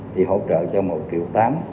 thì hỗ trợ cho một triệu tám